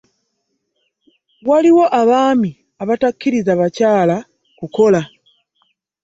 Waliwo abaami abatakiriza bakyala kukola.